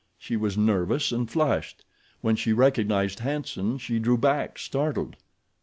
She was nervous and flushed. When she recognized Hanson she drew back, startled.